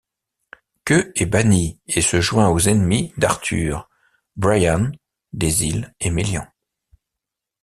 Keu est banni, et se joint aux ennemis d'Arthur, Brian des îles et Meliant.